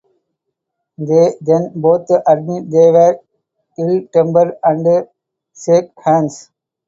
They then both admit they were ill-tempered and shake hands.